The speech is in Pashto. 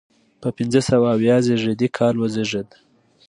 په پنځه سوه اویا زیږدي کال وزیږېد.